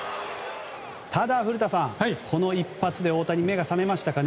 ただ、古田さんこの一発で大谷は目が覚めましたかね。